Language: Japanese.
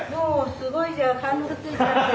すごいじゃん貫禄ついちゃって。